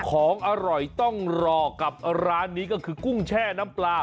ของอร่อยต้องรอกับร้านนี้ก็คือกุ้งแช่น้ำปลา